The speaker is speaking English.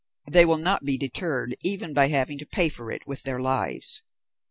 They will not be deterred even by having to pay for it with their lives.